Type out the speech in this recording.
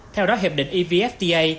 theo đó hiệp định evfta